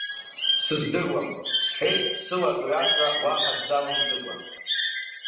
Сыздыруам, – сҳәеит, сылакҩакра уаҳа сзалымҵыкәа.